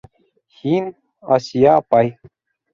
Һин, Асия апай.